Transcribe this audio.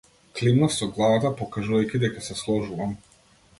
Климнав со главата, покажувајќи дека се сложувам.